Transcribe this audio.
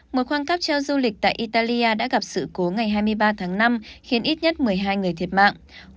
một khoang cáp treo du lịch tại italia đã gặp sự cố ngày hai mươi ba tháng năm khiến ít nhất một mươi hai người thiệt mạng